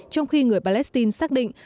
trong khi người palestine xác định